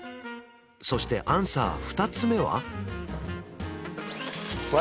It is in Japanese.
そしてアンサー２つ目は？